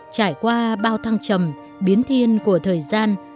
trải qua bao thăng trầm biến thiên của thời gian